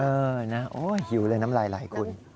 เออนะโอ้ยหิวเลยน้ำลายไหลคุณ